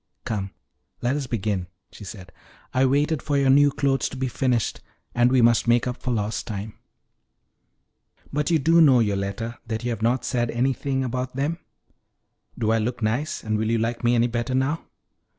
"Come, let us begin," she said. "I waited for your new clothes to be finished, and we must make up for lost time." "But do you know, Yoletta, that you have not said anything about them? Do I look nice; and will you like me any better now?"